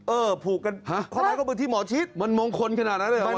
เออผูกกันข้อไม้ข้อมือที่หมอชิดมันมงคลขนาดนั้นเลยเหรอ